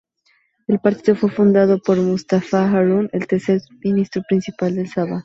El partido fue fundado por Mustapha Harun, el tercer ministro principal de Sabah.